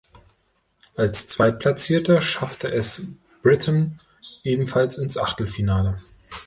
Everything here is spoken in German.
Als Zweitplatzierter schaffte es Britton ebenfalls ins Achtelfinale.